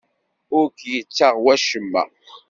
Ur k-yettaɣ wacemma.